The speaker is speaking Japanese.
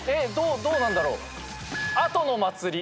どうなんだろう。